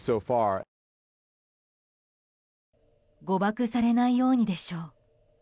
誤爆されないようにでしょう。